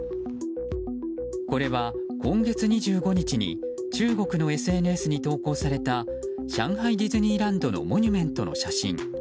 これは今月２５日に中国のＳＮＳに投稿された上海ディズニーランドのモニュメントの写真。